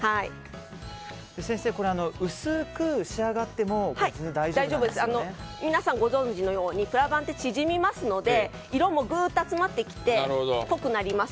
先生、薄く仕上がっても皆さんご存じのようにプラバンって縮みますので色もぐっと集まってきて濃くなります。